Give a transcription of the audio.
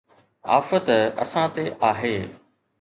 آفت اسان تي آهي